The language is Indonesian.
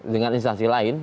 dengan instansi lain